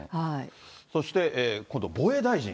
そして、今度、防衛大臣。